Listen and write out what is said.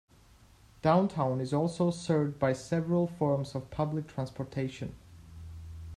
Downtown is also served by several forms of public transportation.